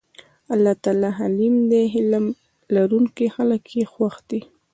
الله تعالی حليم دی حِلم لرونکي خلک ئي خوښ دي